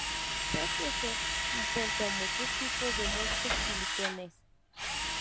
Puede crecer junto a muchos tipos de musgos y líquenes.